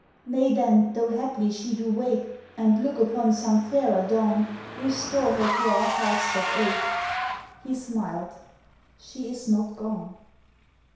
"Nay then, tho' haply she do wake, And look upon some fairer dawn, Restore her to our hearts that ache!" He smiled: "She is not gone!"